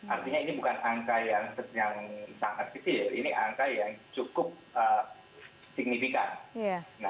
artinya ini bukan angka yang sangat kecil ini angka yang cukup signifikan